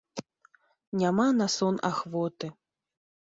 Няма на сон ахвоты.